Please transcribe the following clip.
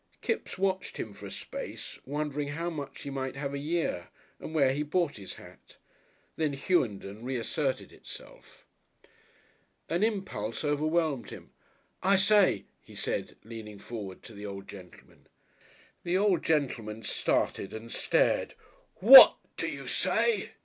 Kipps watched him for a space, wondering how much he might have a year, and where he bought his hat. Then "Hughenden" reasserted itself. An impulse overwhelmed him. "I say," he said, leaning forward, to the old gentleman. The old gentleman started and stared. "Whad do you say?"